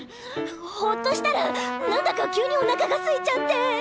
ホッとしたらなんだか急におなかがすいちゃって。